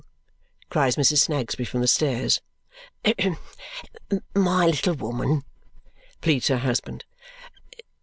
cries Mrs. Snagsby from the stairs. "My little woman!" pleads her husband.